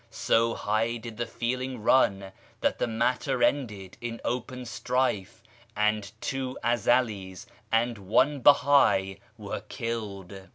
So high did the feeling run that the matter ended in open strife, and two Ezelis and one Beha'i were killed.